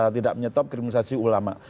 tidak menyetop kriminalisasi ulama